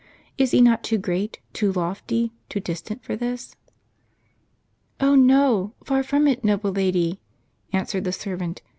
Is He not too great, too lofty, too distant for this ?"" Oh, no ! far from it, noble lady," answered the servant.